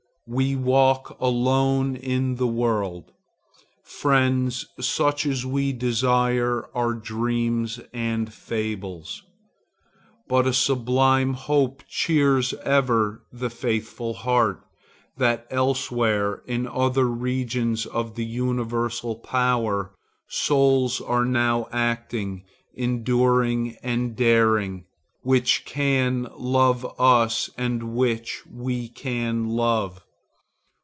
We walk alone in the world. Friends such as we desire are dreams and fables. But a sublime hope cheers ever the faithful heart, that elsewhere, in other regions of the universal power, souls are now acting, enduring, and daring, which can love us and which we can love.